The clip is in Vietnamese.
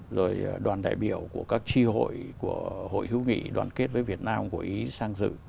rồi đoàn đại biểu của các tri hội của hội hữu nghị đoàn kết với việt nam của ý sang dự